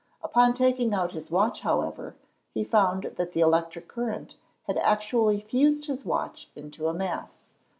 Upon taking out his watch, however, he found that the electric current had actually fused his watch into a mass.